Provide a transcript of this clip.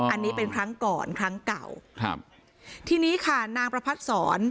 อันนี้เป็นครั้งก่อนครั้งเก่าครับทีนี้ค่ะนางประพัดศร